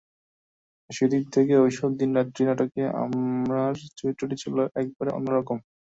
সেদিক থেকে এইসব দিনরাত্রি নাটকে আমার চরিত্রটি ছিল একেবারে অন্য রকম।